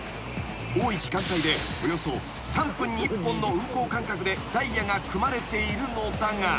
［多い時間帯でおよそ３分に１本の運行間隔でダイヤが組まれているのだが］